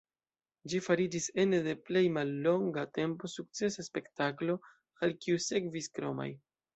Ĝi fariĝis ene de plej mallonga tempo sukcesa spektaklo, al kiu sekvis kromaj.